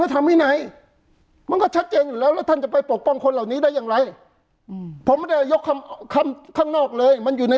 ธรรมวินัยมันก็ชัดเจนอยู่แล้วแล้วท่านจะไปปกป้องคนเหล่านี้ได้อย่างไรผมไม่ได้ยกคำคำข้างนอกเลยมันอยู่ใน